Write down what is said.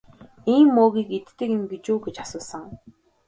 Ийм мөөгийг иддэг юм гэж үү гэж асуусан.